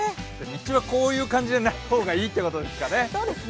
日中はこういう感じじゃない方がいいってことですね。